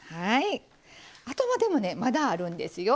あとはでもねまだあるんですよ。